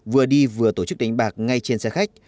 vừa đi vừa tổ chức đánh bạc ngay trên xe khách